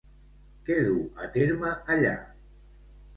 Què du a terme allà?